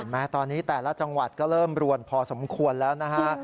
แม้ตอนนี้แต่ละจังหวัดก็เริ่มรวนพอสมควรแล้วนะฮะ